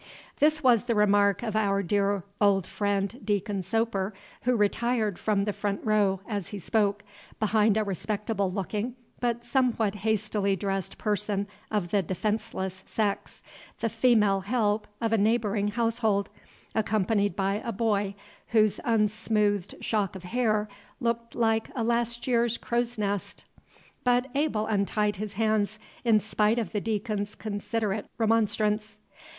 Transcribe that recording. This was the remark of our old friend, Deacon Soper, who retired from the front row, as he spoke, behind a respectable looking, but somewhat hastily dressed person of the defenceless sex, the female help of a neighboring household, accompanied by a boy, whose unsmoothed shock of hair looked like a last year's crow's nest. But Abel untied his hands, in spite of the Deacon's considerate remonstrance.